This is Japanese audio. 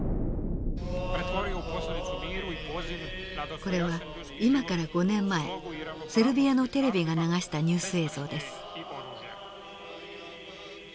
これは今から５年前セルビアのテレビが流したニュース映像です。